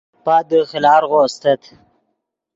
پادے خیلارغو استت